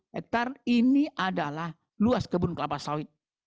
enam ratus empat puluh hektare ini adalah luas kebun kelapa sawit